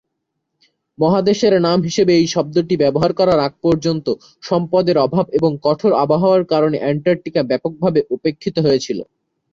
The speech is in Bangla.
মহাদেশের নাম হিসেবে এই শব্দটি ব্যবহার করার আগ পর্যন্ত সম্পদের অভাব এবং কঠোর আবহাওয়ার কারণে অ্যান্টার্কটিকা ব্যাপকভাবে উপেক্ষিত হয়েছিলো।